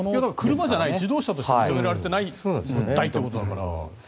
車じゃなくて自動車として認められてないってことだから。